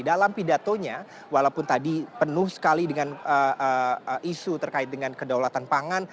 dalam pidatonya walaupun tadi penuh sekali dengan isu terkait dengan kedaulatan pangan